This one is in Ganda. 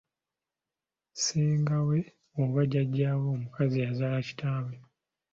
Ssengaawe oba Jjajjaawe omukazi azaala kitaawe.